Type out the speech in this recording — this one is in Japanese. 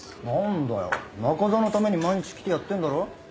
なんだよ中沢のために毎日来てやってんだろ。